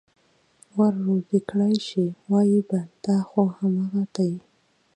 ور روزي كړى شي، وايي به: دا خو همغه دي چې: